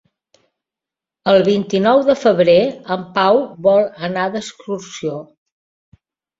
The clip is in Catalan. El vint-i-nou de febrer en Pau vol anar d'excursió.